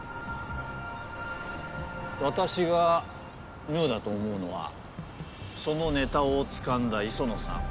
私が妙だと思うのはそのネタをつかんだ磯野さん